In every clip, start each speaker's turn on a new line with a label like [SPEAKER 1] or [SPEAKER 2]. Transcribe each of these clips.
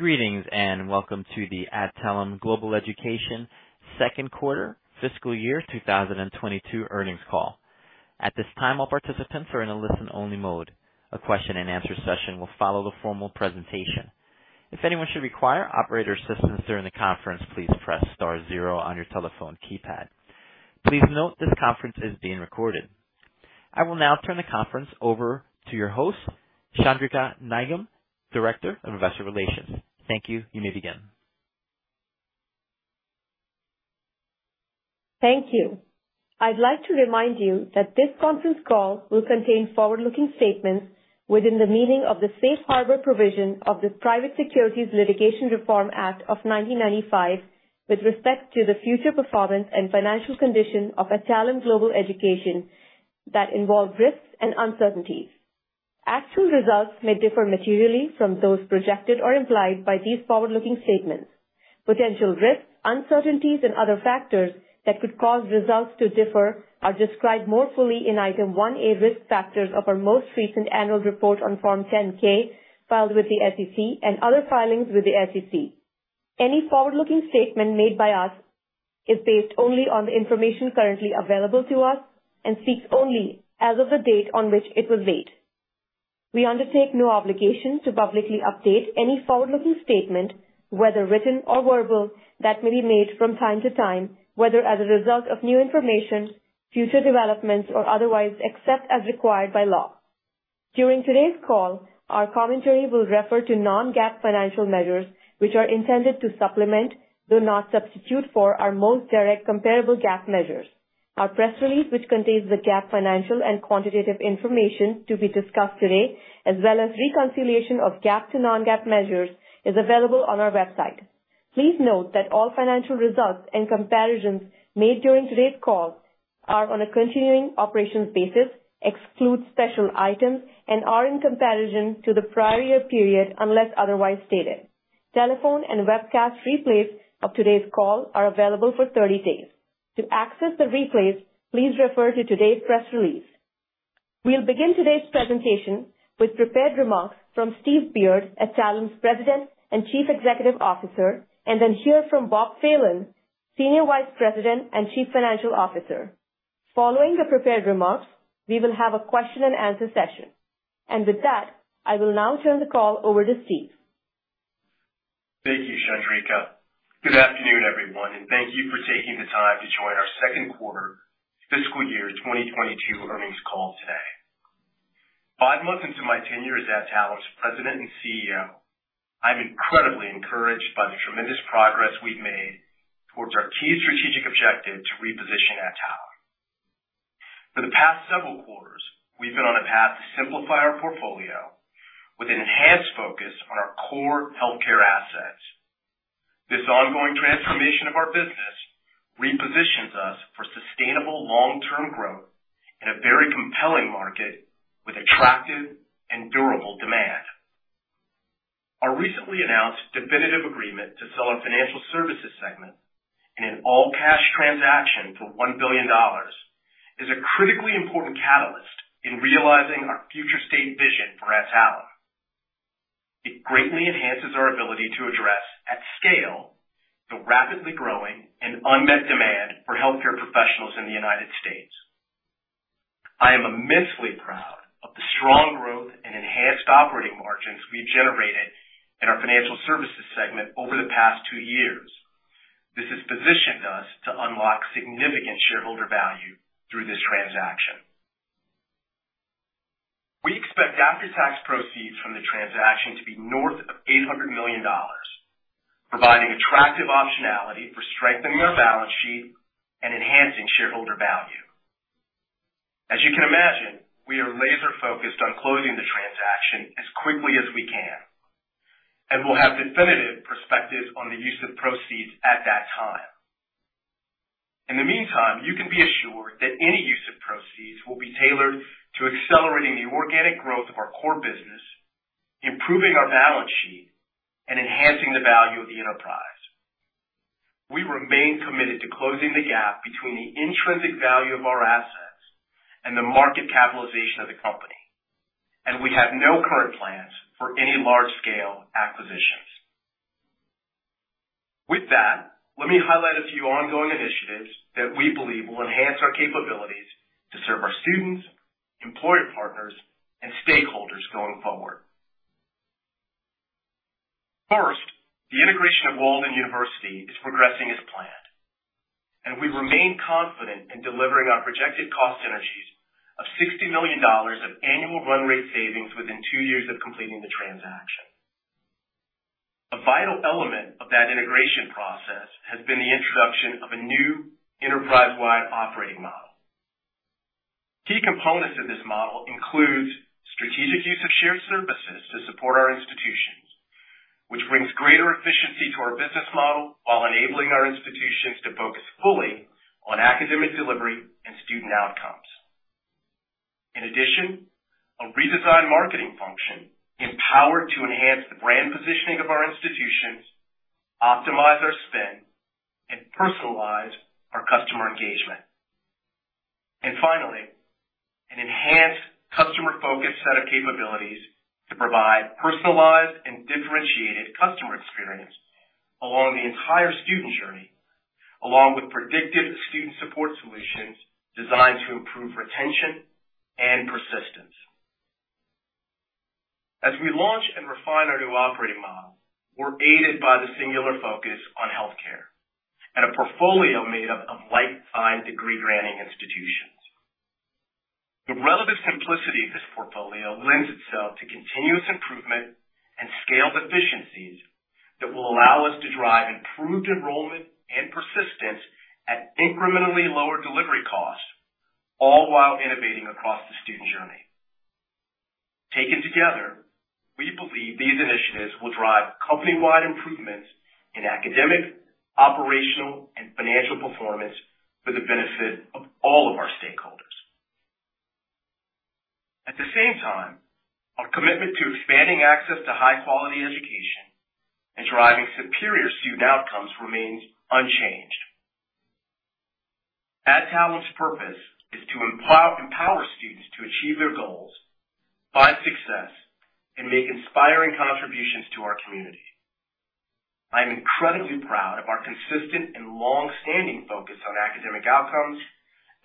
[SPEAKER 1] Greetings, and welcome to the Adtalem Global Education second quarter fiscal year 2022 earnings call. At this time, all participants are in a listen-only mode. A question-and-answer session will follow the formal presentation. If anyone should require operator assistance during the conference, please press star zero on your telephone keypad. Please note this conference is being recorded. I will now turn the conference over to your host, Chandrika Nigam, Director of Investor Relations. Thank you. You may begin.
[SPEAKER 2] Thank you. I'd like to remind you that this conference call will contain forward-looking statements within the meaning of the Safe Harbor provision of the Private Securities Litigation Reform Act of 1995 with respect to the future performance and financial condition of Adtalem Global Education that involve risks and uncertainties. Actual results may differ materially from those projected or implied by these forward-looking statements. Potential risks, uncertainties, and other factors that could cause results to differ are described more fully in Item 1A, Risk Factors, of our most recent annual report on Form 10-K filed with the SEC and other filings with the SEC. Any forward-looking statement made by us is based only on the information currently available to us and speaks only as of the date on which it was made. We undertake no obligation to publicly update any forward-looking statement, whether written or verbal, that may be made from time to time, whether as a result of new information, future developments or otherwise, except as required by law. During today's call, our commentary will refer to non-GAAP financial measures, which are intended to supplement, though not substitute for, our most direct comparable GAAP measures. Our press release, which contains the GAAP financial and quantitative information to be discussed today, as well as reconciliation of GAAP to non-GAAP measures, is available on our website. Please note that all financial results and comparisons made during today's call are on a continuing operations basis, exclude special items, and are in comparison to the prior year period, unless otherwise stated. Telephone and webcast replays of today's call are available for thirty days. To access the replays, please refer to today's press release. We'll begin today's presentation with prepared remarks from Steve Beard, Adtalem's President and Chief Executive Officer, and then hear from Bob Phelan, Senior Vice President and Chief Financial Officer. Following the prepared remarks, we will have a question-and-answer session. With that, I will now turn the call over to Steve.
[SPEAKER 3] Thank you, Chandrika. Good afternoon, everyone, and thank you for taking the time to join our second quarter fiscal year 2022 earnings call today. Five months into my tenure as Adtalem's President and CEO, I'm incredibly encouraged by the tremendous progress we've made towards our key strategic objective to reposition Adtalem. For the past several quarters, we've been on a path to simplify our portfolio with an enhanced focus on our core healthcare assets. This ongoing transformation of our business repositions us for sustainable long-term growth in a very compelling market with attractive and durable demand. Our recently announced definitive agreement to sell our financial services segment in an all-cash transaction for $1 billion is a critically important catalyst in realizing our future state vision for Adtalem. It greatly enhances our ability to address at scale the rapidly growing and unmet demand for healthcare professionals in the United States. I am immensely proud of the strong growth and enhanced operating margins we've generated in our financial services segment over the past two years. This has positioned us to unlock significant shareholder value through this transaction. We expect after-tax proceeds from the transaction to be north of $800 million, providing attractive optionality for strengthening our balance sheet and enhancing shareholder value. As you can imagine, we are laser-focused on closing the transaction as quickly as we can, and we'll have definitive perspective on the use of proceeds at that time. In the meantime, you can be assured that any use of proceeds will be tailored to accelerating the organic growth of our core business, improving our balance sheet, and enhancing the value of the enterprise. We remain committed to closing the gap between the intrinsic value of our assets and the market capitalization of the company, and we have no current plans for any large-scale acquisitions. With that, let me highlight a few ongoing initiatives that we believe will enhance our capabilities to serve our students, employer partners, and stakeholders going forward. First, the integration of Walden University is progressing as planned, and we remain confident in delivering our projected cost synergies of $60 million of annual run rate savings within two years of completing the transaction. A vital element of that integration process has been the introduction of a new enterprise-wide operating model. Key components of this model includes strategic use of shared services to support our institutions, which brings greater efficiency to our business model while enabling our institutions to focus fully on academic delivery and student outcomes. In addition, a redesigned marketing function empowered to enhance the brand positioning of our institutions, optimize our spend, and personalize our customer engagement. Customer-focused set of capabilities to provide personalized and differentiated customer experience along the entire student journey, along with predictive student support solutions designed to improve retention and persistence. As we launch and refine our new operating model, we're aided by the singular focus on healthcare and a portfolio made up of like-minded degree-granting institutions. The relative simplicity of this portfolio lends itself to continuous improvement and scaled efficiencies that will allow us to drive improved enrollment and persistence at incrementally lower delivery costs, all while innovating across the student journey. Taken together, we believe these initiatives will drive company-wide improvements in academic, operational, and financial performance for the benefit of all of our stakeholders. At the same time, our commitment to expanding access to high-quality education and driving superior student outcomes remains unchanged. Adtalem's purpose is to empower students to achieve their goals, find success, and make inspiring contributions to our community. I am incredibly proud of our consistent and long-standing focus on academic outcomes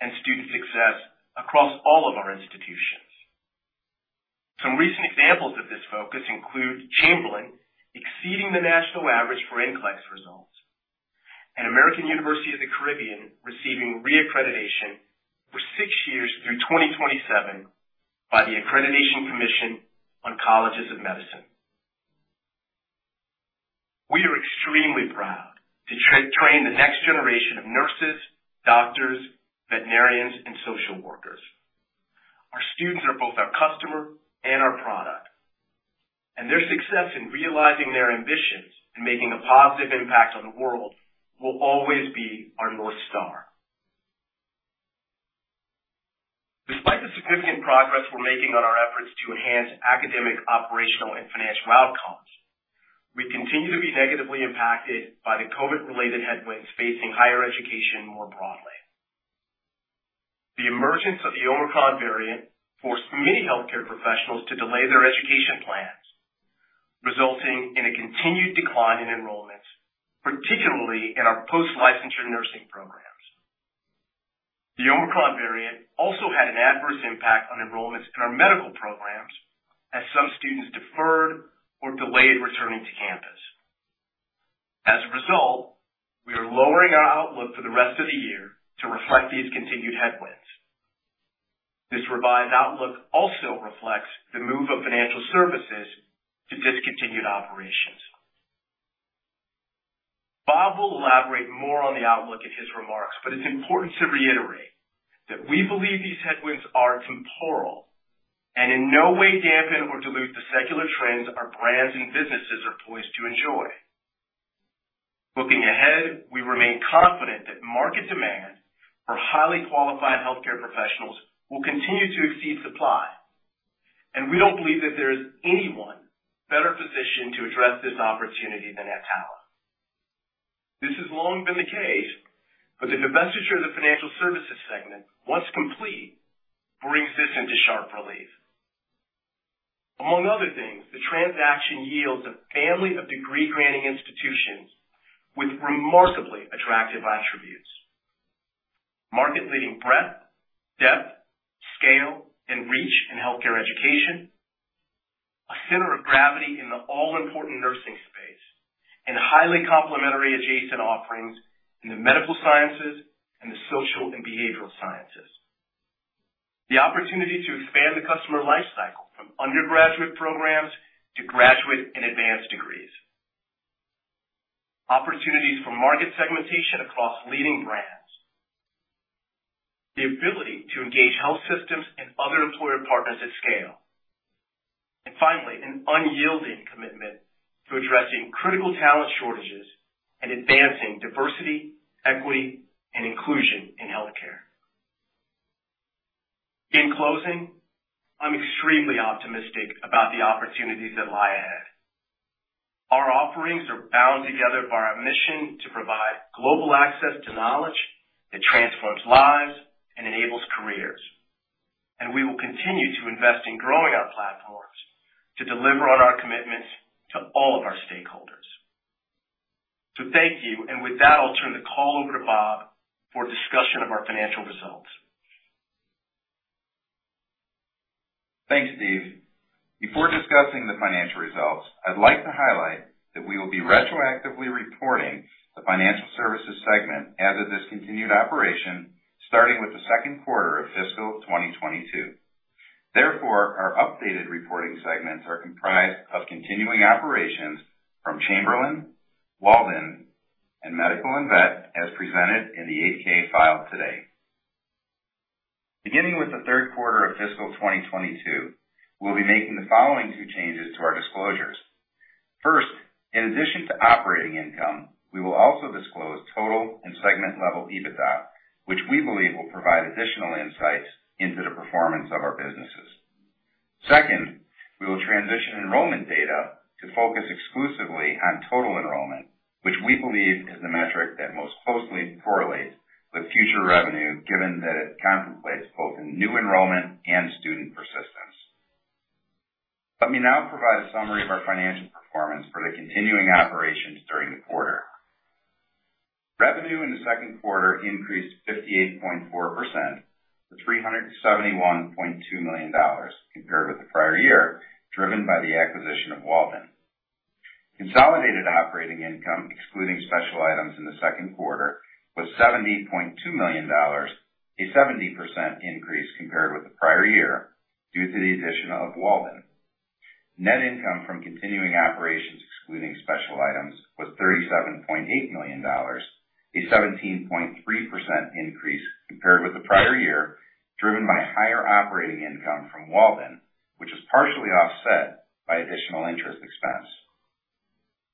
[SPEAKER 3] and student success across all of our institutions. Some recent examples of this focus include Chamberlain exceeding the national average for NCLEX results, and American University of the Caribbean receiving reaccreditation for six years through 2027 by the Accreditation Commission on Colleges of Medicine. We are extremely proud to train the next generation of nurses, doctors, veterinarians, and social workers. Our students are both our customer and our product, and their success in realizing their ambitions and making a positive impact on the world will always be our North Star. Despite the significant progress we're making on our efforts to enhance academic, operational, and financial outcomes, we continue to be negatively impacted by the COVID-related headwinds facing higher education more broadly. The emergence of the Omicron variant forced many healthcare professionals to delay their education plans, resulting in a continued decline in enrollments, particularly in our post-licensure nursing programs. The Omicron variant also had an adverse impact on enrollments in our medical programs as some students deferred or delayed returning to campus. As a result, we are lowering our outlook for the rest of the year to reflect these continued headwinds. This revised outlook also reflects the move of financial services to discontinued operations. Bob will elaborate more on the outlook in his remarks, but it's important to reiterate that we believe these headwinds are temporal and in no way dampen or dilute the secular trends our brands and businesses are poised to enjoy. Looking ahead, we remain confident that market demand for highly qualified healthcare professionals will continue to exceed supply, and we don't believe that there is anyone better positioned to address this opportunity than Adtalem. This has long been the case, but the divestiture of the financial services segment, once complete, brings this into sharp relief. Among other things, the transaction yields a family of degree-granting institutions with remarkably attractive attributes, market-leading breadth, depth, scale, and reach in healthcare education, a center of gravity in the all-important nursing space, and highly complementary adjacent offerings in the medical sciences and the social and behavioral sciences. The opportunity to expand the customer life cycle from undergraduate programs to graduate and advanced degrees. Opportunities for market segmentation across leading brands. The ability to engage health systems and other employer partners at scale. Finally, an unyielding commitment to addressing critical talent shortages and advancing diversity, equity, and inclusion in healthcare. In closing, I'm extremely optimistic about the opportunities that lie ahead. Our offerings are bound together by our mission to provide global access to knowledge that transforms lives and enables careers. We will continue to invest in growing our platforms to deliver on our commitments to all of our stakeholders. Thank you, and with that, I'll turn the call over to Bob for a discussion of our financial results.
[SPEAKER 4] Thanks, Steve. Before discussing the financial results, I'd like to highlight that we will be retroactively reporting the financial services segment as a discontinued operation starting with the second quarter of fiscal 2022. Therefore, our updated reporting segments are comprised of continuing operations from Chamberlain, Walden, and Medical and Vet, as presented in the 8-K filed today. Beginning with the third quarter of fiscal 2022, we'll be making the following two changes to our disclosures. First, in addition to operating income, we will also disclose total and segment-level EBITDA, which we believe will provide additional insights into the performance of our businesses. Second, we will transition enrollment data to focus exclusively on total enrollment, which we believe is the metric that most closely correlates with future revenue, given that it contemplates both new enrollment and student persistence. Let me now provide a summary of our financial performance for the continuing operations during the quarter. Revenue in the second quarter increased 58.4% to $371.2 million compared with the prior year, driven by the acquisition of Walden. Consolidated operating income, excluding special items in the second quarter, was $70.2 million, a 70% increase compared with the prior year due to the addition of Walden. Net income from continuing operations, excluding special items, was $37.8 million, a 17.3% increase compared with the prior year, driven by higher operating income from Walden, which is partially offset by additional interest expense.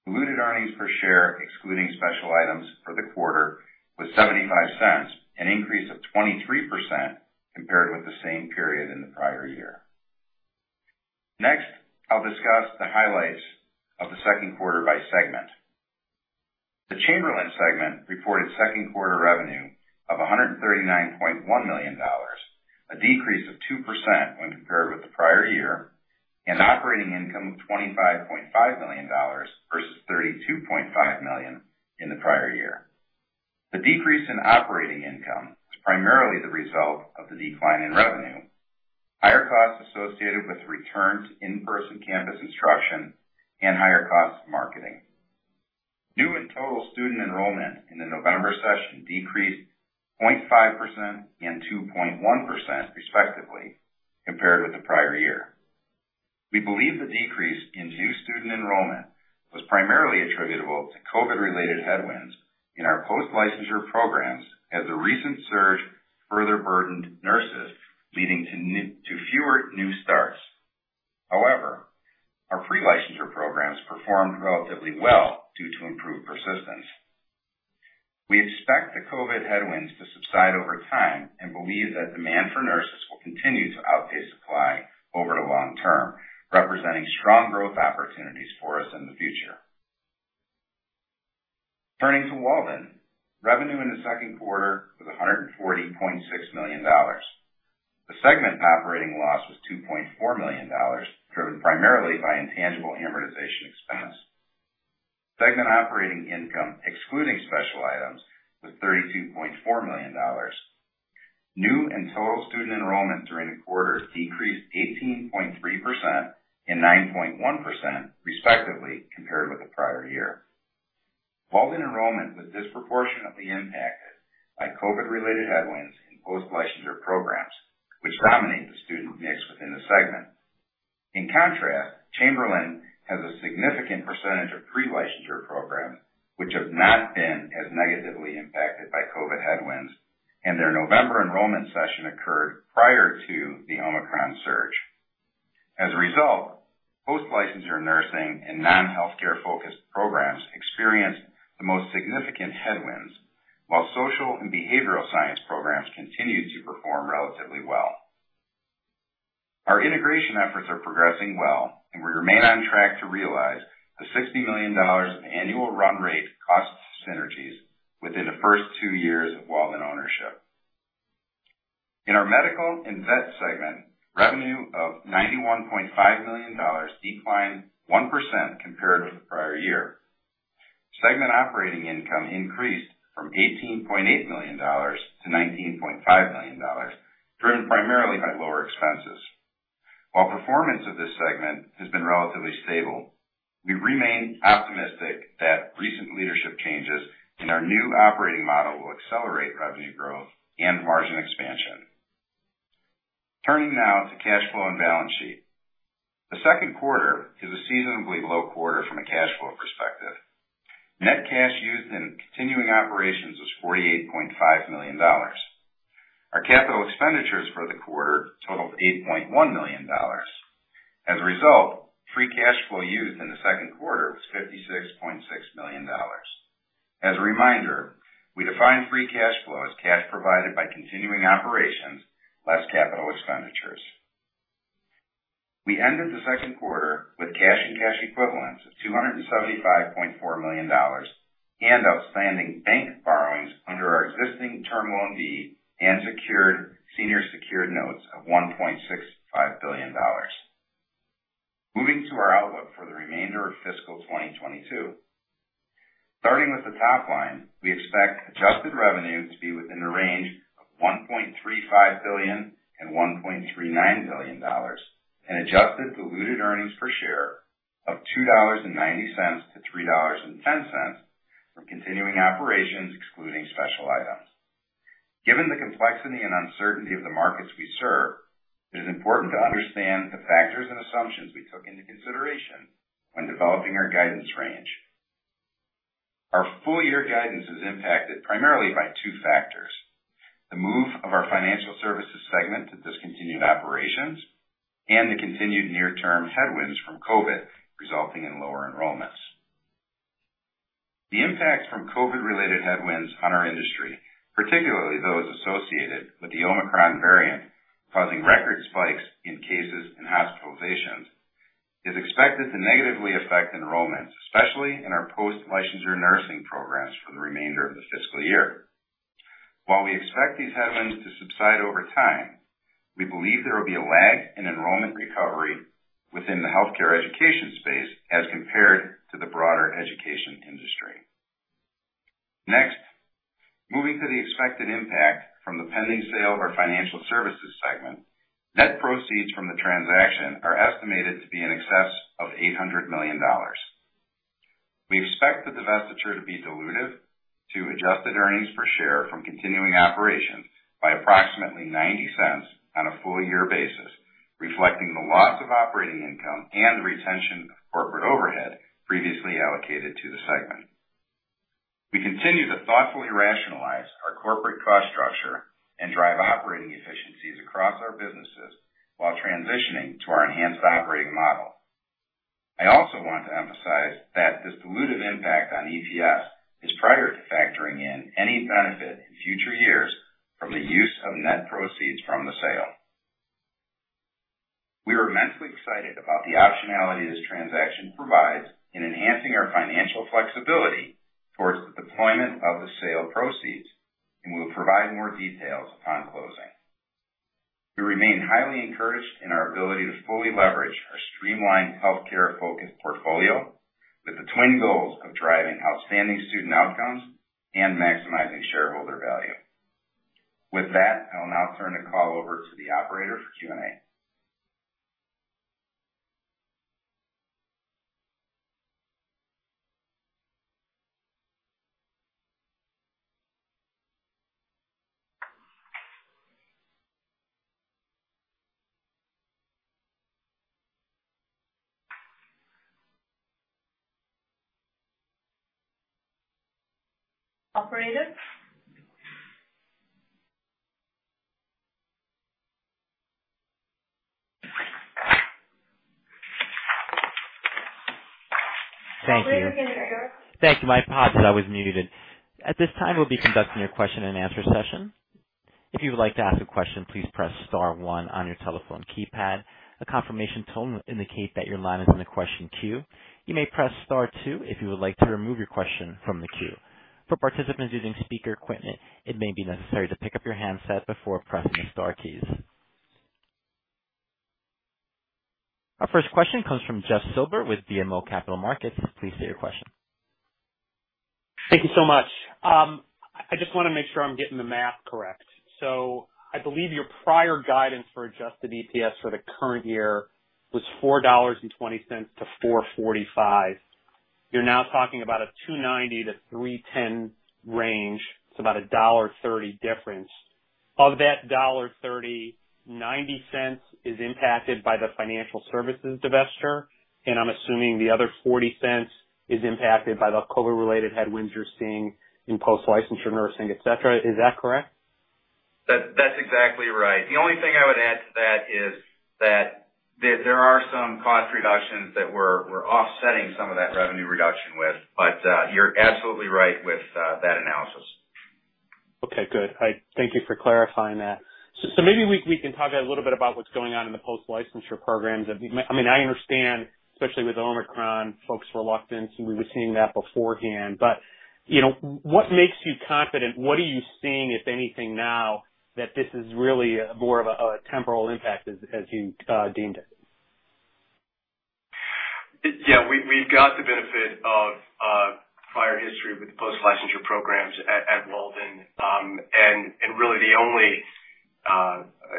[SPEAKER 4] Diluted earnings per share, excluding special items for the quarter, was $0.75, an increase of 23% compared with the same period in the prior year. Next, I'll discuss the highlights of the second quarter by segment. The Chamberlain segment reported second quarter revenue of $139.1 million, a decrease of 2% when compared with the prior year, and operating income of $25.5 million versus $32.5 million in the prior year. The decrease in operating income was primarily the result of the decline in revenue, higher costs associated with return to in-person campus instruction, and higher costs of marketing. New and total student enrollment in the November session decreased 0.5% and 2.1%, respectively, compared with the prior year. We believe the decrease in new student enrollment was primarily attributable to COVID-related headwinds in our post-licensure programs as the recent surge further burdened nurses, leading to fewer new starts. However, our pre-licensure programs performed relatively well due to improved persistence. We expect the COVID headwinds to subside over time and believe that demand for nurses will continue to outpace supply over the long term, representing strong growth opportunities for us in the future. Turning to Walden. Revenue in the second quarter was $140.6 million. The segment operating loss was $2.4 million, driven primarily by intangible amortization expense. Segment operating income excluding special items was $32.4 million. New and total student enrollment during the quarter decreased 18.3% and 9.1%, respectively, compared with the prior year. Walden enrollment was disproportionately impacted by COVID-related headwinds in post-licensure programs, which dominate the student mix within the segment. In contrast, Chamberlain has a significant percentage of pre-licensure programs which have not been as negatively impacted by COVID headwinds, and their November enrollment session occurred prior to the Omicron surge. As a result, post-licensure nursing and non-healthcare-focused programs experienced the most significant headwinds, while social and behavioral science programs continued to perform relatively well. Our integration efforts are progressing well, and we remain on track to realize the $60 million in annual run rate cost synergies within the first two years of Walden ownership. In our medical and vet segment, revenue of $91.5 million declined 1% compared with the prior year. Segment operating income increased from $18.8 million to $19.5 million, driven primarily by lower expenses. While performance of this segment has been relatively stable, we remain optimistic that recent leadership changes in our new operating model will accelerate revenue growth and margin expansion. Turning now to cash flow and balance sheet. The second quarter is a seasonally low quarter from a cash flow perspective. Net cash used in continuing operations was $48.5 million. Our capital expenditures for the quarter totaled $8.1 million. As a result, free cash flow used in the second quarter was $56.6 million. As a reminder, we define free cash flow as cash provided by continuing operations less capital expenditures. We ended the second quarter with cash and cash equivalents of $275.4 million and outstanding bank borrowings under our existing Term Loan B and senior secured notes of $1.65 billion. Moving to our outlook for the remainder of fiscal 2022. Starting with the top line, we expect adjusted revenue to be within the range of $1.35 billion-$1.39 billion, and adjusted diluted earnings per share of $2.90-$3.10 from continuing operations excluding special items. Given the complexity and uncertainty of the markets we serve, it is important to understand the factors and assumptions we took into consideration when developing our guidance range. Our full year guidance is impacted primarily by two factors, the move of our financial services segment to discontinued operations and the continued near-term headwinds from COVID, resulting in lower enrollments. The impact from COVID-related headwinds on our industry, particularly those associated with the Omicron variant, causing record spikes in cases and hospitalizations, is expected to negatively affect enrollments, especially in our post-licensure nursing programs for the remainder of the fiscal year. While we expect these headwinds to subside over time, we believe there will be a lag in enrollment recovery within the healthcare education space as compared to the broader education industry. Next, moving to the expected impact from the pending sale of our financial services segment. Net proceeds from the transaction are estimated to be in excess of $800 million. We expect the divestiture to be dilutive to adjusted earnings per share from continuing operations by approximately $0.90 on a full year basis, reflecting the loss of operating income and retention of corporate overhead previously allocated to the segment. We continue to thoughtfully rationalize our corporate cost structure and drive operating efficiencies across our businesses while transitioning to our enhanced operating model. I also want to emphasize that this dilutive impact on EPS is prior to factoring in any benefit in future years from the use of net proceeds from the sale. We are immensely excited about the optionality this transaction provides in enhancing our financial flexibility towards the deployment of the sale proceeds, and we'll provide more details upon closing. We remain highly encouraged in our ability to fully leverage our streamlined healthcare focused portfolio with the twin goals of driving outstanding student outcomes and maximizing shareholder value. With that, I will now turn the call over to the operator for Q&A.
[SPEAKER 2] Operator?
[SPEAKER 1] Thank you. My apologies. I was muted. At this time, we'll be conducting your question-and-answer session. If you would like to ask a question, please press star one on your telephone keypad. A confirmation tone will indicate that your line is in the question queue. You may press star two if you would like to remove your question from the queue. For participants using speaker equipment, it may be necessary to pick up your handset before pressing the star keys. Our first question comes from Jeff Silber with BMO Capital Markets. Please state your question.
[SPEAKER 5] Thank you so much. I just wanna make sure I'm getting the math correct. I believe your prior guidance for adjusted EPS for the current year was $4.20-$4.45. You're now talking about a $2.90-$3.10 range. It's about a $1.30 difference. Of that $1.30, $0.90 is impacted by the financial services divestiture, and I'm assuming the other $0.40 is impacted by the COVID related headwinds you're seeing in post-licensure nursing, et cetera. Is that correct?
[SPEAKER 4] That's exactly right. The only thing I would add to that is that there are some cost reductions that we're offsetting some of that revenue reduction with. You're absolutely right with that analysis.
[SPEAKER 5] Okay, good. I thank you for clarifying that. Maybe we can talk a little bit about what's going on in the post-licensure programs. I mean, I understand, especially with Omicron, folks' reluctance, and we were seeing that beforehand, but, you know, what makes you confident? What are you seeing, if anything, now, that this is really more of a temporal impact as you deemed it?
[SPEAKER 3] Yeah. We've got the benefit of prior history with post-licensure programs at Walden. Really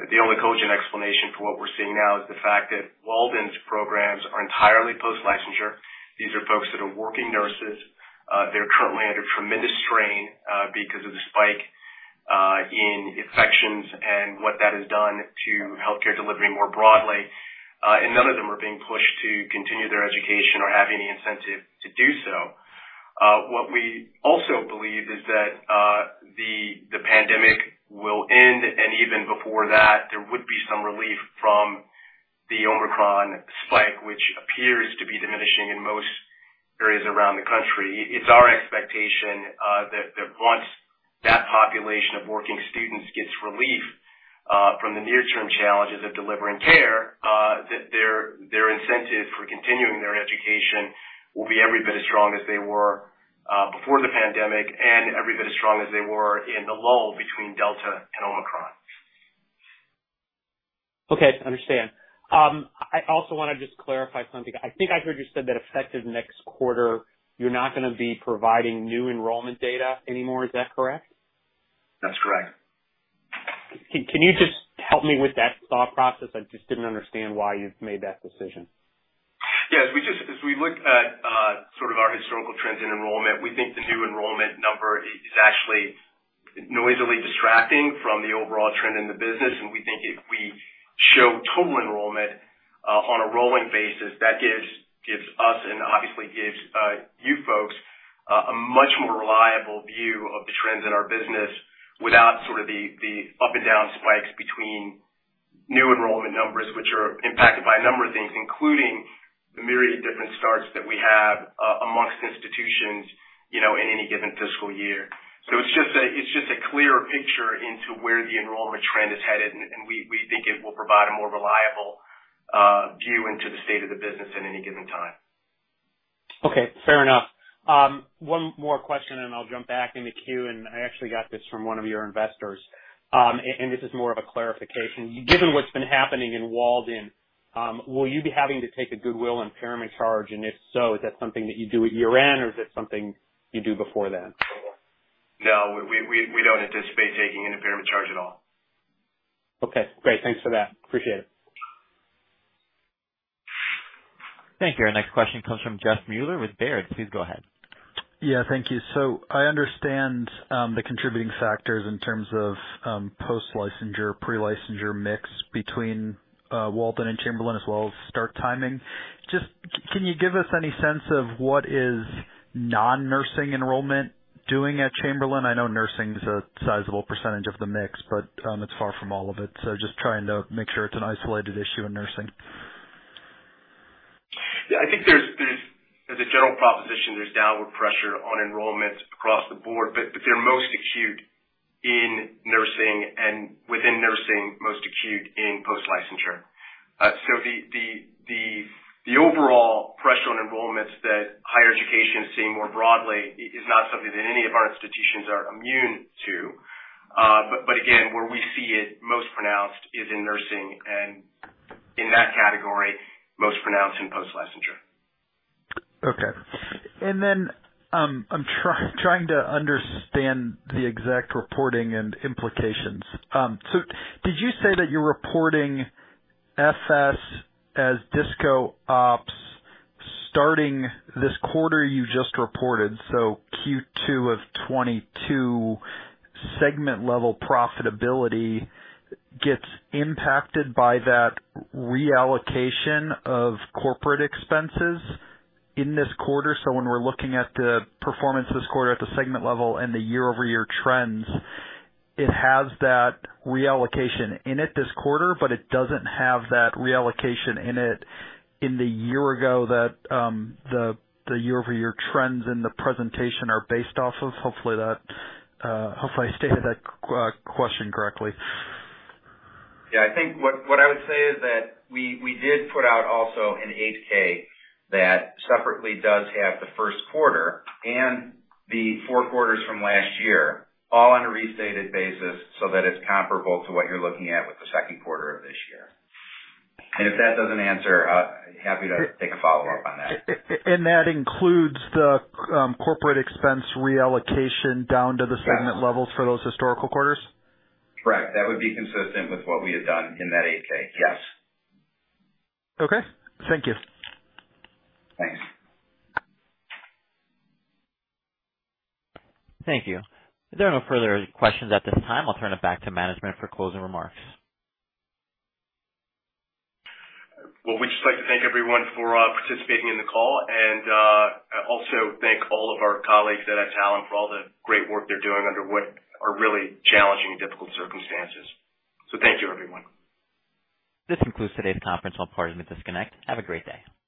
[SPEAKER 3] the only cogent explanation for what we're seeing now is the fact that Walden's programs are entirely post-licensure. These are folks that are working nurses. They're currently under tremendous strain because of the spike in infections and what that has done to healthcare delivery more broadly. None of them are being pushed to continue their education or have any incentive to do so. What we also believe is that the pandemic will end, and even before that, there would be some relief from the Omicron spike, which appears to be diminishing in most areas around the country. It's our expectation that once that population of working students gets relief from the near term challenges of delivering care, that their incentive for continuing their education will be every bit as strong as they were before the pandemic and every bit as strong as they were in the lull between Delta and Omicron.
[SPEAKER 5] Okay, I understand. I also wanna just clarify something. I think I heard you said that effective next quarter, you're not gonna be providing new enrollment data anymore. Is that correct?
[SPEAKER 3] That's correct.
[SPEAKER 5] Can you just help me with that thought process? I just didn't understand why you've made that decision.
[SPEAKER 3] Yes. As we look at sort of our historical trends in enrollment, we think the new enrollment number is actually noisily distracting from the overall trend in the business. We think if we show total enrollment on a rolling basis, that gives us and obviously gives you folks a much more reliable view of the trends in our business without sort of the up and down spikes between new enrollment numbers, which are impacted by a number of things, including the myriad of different starts that we have amongst institutions, you know, in any given fiscal year. It's just a clearer picture into where the enrollment trend is headed, and we think it will provide a more reliable view into the state of the business at any given time.
[SPEAKER 5] Okay, fair enough. One more question, and then I'll jump back in the queue, and I actually got this from one of your investors. And this is more of a clarification. Given what's been happening in Walden, will you be having to take a goodwill impairment charge? And if so, is that something that you do at year-end or is it something you do before then?
[SPEAKER 3] No, we don't anticipate taking an impairment charge at all.
[SPEAKER 5] Okay, great. Thanks for that. Appreciate it.
[SPEAKER 1] Thank you. Our next question comes from Jeff Meuler with Baird. Please go ahead.
[SPEAKER 6] Yeah, thank you. I understand the contributing factors in terms of post-licensure, pre-licensure mix between Walden and Chamberlain as well as start timing. Just can you give us any sense of what is non-nursing enrollment doing at Chamberlain? I know nursing is a sizable percentage of the mix, but it's far from all of it. Just trying to make sure it's an isolated issue in nursing.
[SPEAKER 3] Yeah, I think as a general proposition, there's downward pressure on enrollments across the board, but they're most acute in nursing and within nursing, most acute in post-licensure. The overall pressure on enrollments that higher education is seeing more broadly is not something that any of our institutions are immune to. Again, where we see it most pronounced is in nursing and in that category, most pronounced in post-licensure.
[SPEAKER 6] Okay. I'm trying to understand the exact reporting and implications. Did you say that you're reporting FS as discontinued operations starting this quarter you just reported? Q2 of 2022 segment-level profitability gets impacted by that reallocation of corporate expenses in this quarter. When we're looking at the performance this quarter at the segment level and the year-over-year trends, it has that reallocation in it this quarter, but it doesn't have that reallocation in it in the year-ago that the year-over-year trends in the presentation are based off of. Hopefully that, hopefully I stated that question correctly.
[SPEAKER 3] Yeah. I think what I would say is that we did put out also an 8-K that separately does have the first quarter and the four quarters from last year, all on a restated basis, so that it's comparable to what you're looking at with the second quarter of this year. If that doesn't answer, happy to take a follow-up on that.
[SPEAKER 6] That includes the corporate expense reallocation down to the
[SPEAKER 3] Yeah.
[SPEAKER 6] Segment levels for those historical quarters?
[SPEAKER 3] Correct. That would be consistent with what we had done in that 8-K. Yes.
[SPEAKER 6] Okay, thank you.
[SPEAKER 3] Thanks.
[SPEAKER 1] Thank you. If there are no further questions at this time, I'll turn it back to management for closing remarks.
[SPEAKER 3] Well, we'd just like to thank everyone for participating in the call and also thank all of our colleagues at Adtalem for all the great work they're doing under what are really challenging, difficult circumstances. Thank you, everyone.
[SPEAKER 1] This concludes today's conference. All parties may disconnect. Have a great day.